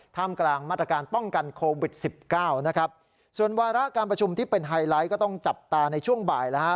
ท่ามกลางมาตรการป้องกันโควิดสิบเก้านะครับส่วนวาระการประชุมที่เป็นไฮไลท์ก็ต้องจับตาในช่วงบ่ายแล้วฮะ